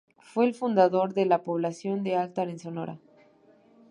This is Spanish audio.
Fue el fundador de la población de Altar en Sonora.